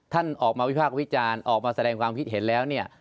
ท่านออกมาวิพากษ์วิจารณ์ออกมาแสดงความคิดเห็นแล้วเนี่ย